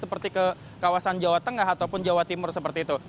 seperti ke kawasan jawa tengah ataupun jawa timur seperti itu